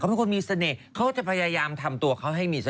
เป็นคนมีเสน่ห์เขาจะพยายามทำตัวเขาให้มีเสน